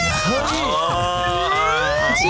ชิมเหรอพี่